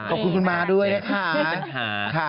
ขอบคุณคุณม้าด้วยนะคะ